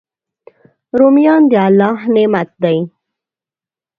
رومیان د الله نعمت دی